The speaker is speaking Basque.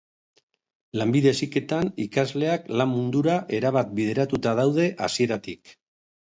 Lanbide heziketan, ikasleak lan mundura erabat bideratuta daude hasieratik